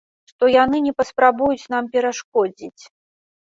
Што яны не паспрабуюць нам перашкодзіць.